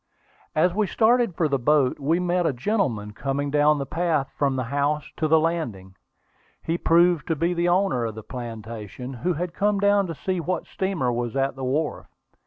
As we started for the boat, we met a gentleman coming down the path from the house to the landing. He proved to be the owner of the plantation, who had come down to see what steamer was at the wharf.